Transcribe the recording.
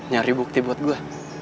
cari bukti buat gue